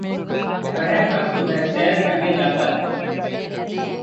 वह हर सुबह सैर करने जाता है।